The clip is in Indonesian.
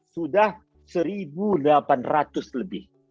sudah satu delapan ratus lebih